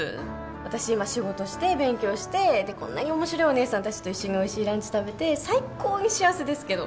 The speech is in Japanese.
私今仕事して勉強してでこんなに面白いお姉さんたちと一緒においしいランチ食べて最高に幸せですけど。